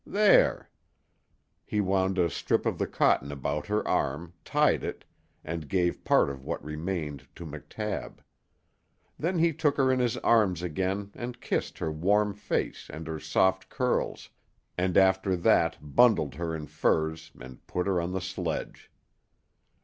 There " He wound a strip of the cotton about her arm, tied it, and gave part of what remained to McTabb. Then he took her in his arms again and kissed her warm face and her soft curls, and after that bundled her in furs and put her on the sledge.